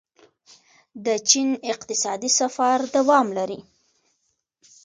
د چین اقتصادي سفر دوام لري.